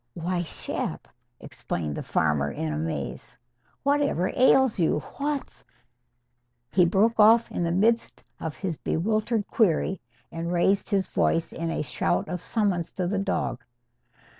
"Why, Shep," exclaimed the farmer in amaze, "whatever ails you? What's " He broke off in the midst of his bewildered query and raised his voice in a shout of summons to the dog.